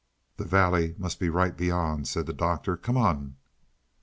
"The valley must be right beyond," said the Doctor. "Come on."